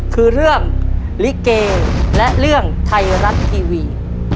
คือเรื่องลิเกและเรื่องไทยรัฐทีวี